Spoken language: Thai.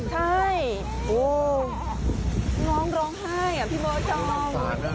ใช่น้องร้องไห้พี่เบาชอบ